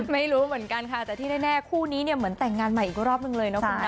ไม่รู้เหมือนกันค่ะแต่ที่แน่คู่นี้เนี่ยเหมือนแต่งงานใหม่อีกรอบนึงเลยนะคุณนะ